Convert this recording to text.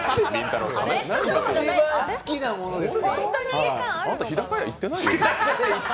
一番好きなものです。